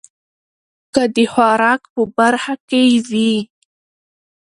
که د خوراک په برخه کې وي